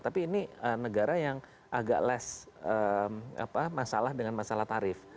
tapi ini negara yang agak less masalah dengan masalah tarif